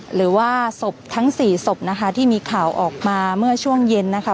หรือว่าศพทั้งสี่ศพนะคะที่มีข่าวออกมาเมื่อช่วงเย็นนะคะ